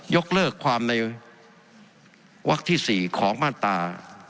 ยกเลิกความในวักที่๔ของมาตรา